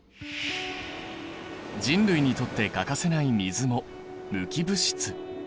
人類にとって欠かせない水も無機物質。